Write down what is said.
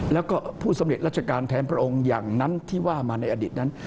แล้วก็ผู้สำเร็จราชการแทนพระองค์อย่างนั้นที่ว่ามาในอดีตนั้น